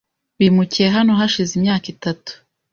Bimukiye hano hashize imyaka itatu.